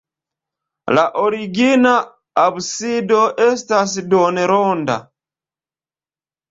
La origina absido estas duonronda.